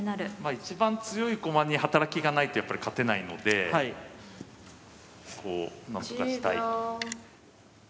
一番強い駒に働きがないとやっぱり勝てないのでなんとかしたいと。